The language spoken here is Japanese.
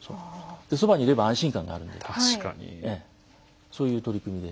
そばにいれば安心感がありますのでそういう取り組みで。